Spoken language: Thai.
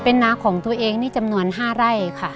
เป็นนาของตัวเองนี่จำนวน๕ไร่ค่ะ